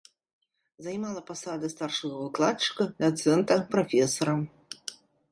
Займала пасады старшага выкладчыка, дацэнта, прафесара.